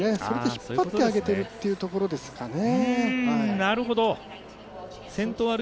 引っ張ってあげてるっていうところですかね。